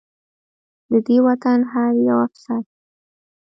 د دې وطن هر يو افسر